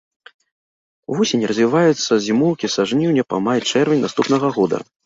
Вусені развіваюцца з зімоўкі са жніўня па май-чэрвень наступнага года.